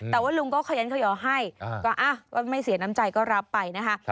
แต่ว่าลุงก็ขยันขยอให้ก็ไม่เสียน้ำใจก็รับไปนะคะ